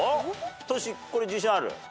トシこれ自信ある？